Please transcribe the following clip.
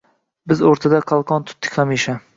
Biz o’rtada qalqon tutdik hamisha